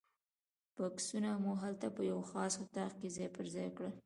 بکسونه مو هلته په یوه خاص اتاق کې ځای پر ځای کړل.